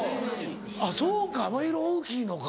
あっそうかまひる大きいのか。